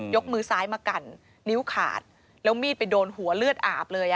มือซ้ายมากันนิ้วขาดแล้วมีดไปโดนหัวเลือดอาบเลย